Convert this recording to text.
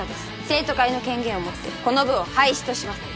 生徒会の権限を持ってこの部を廃止とします